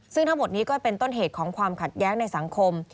ซึ่งทั้งหมดนี้ก็เป็นต้นเหตุของความขัดแย้งในสังคม